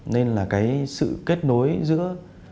nên là cái sự kết nối giữa